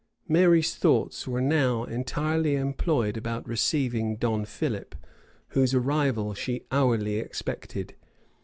Mary's thoughts were now entirely employed about receiving Don Philip, whose arrival she hourly expected.